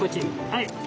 はい。